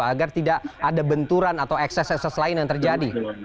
agar tidak ada benturan atau ekses ekses lain yang terjadi